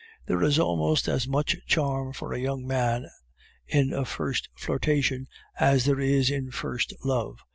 There is almost as much charm for a young man in a first flirtation as there is in first love.